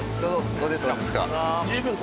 どうですか？